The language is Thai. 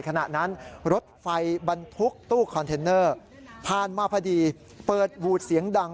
ขณะนั้นรถไฟบรรทุกตู้คอนเทนเนอร์ผ่านมาพอดีเปิดวูดเสียงดัง